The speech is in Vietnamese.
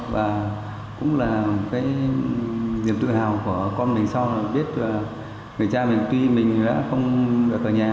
và cũng là một cái niềm tự hào của con mình so là biết là người cha mình tuy mình đã không ở nhà